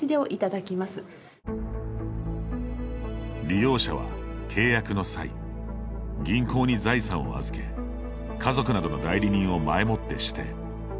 利用者は契約の際銀行に財産を預け家族などの代理人を前もって指定。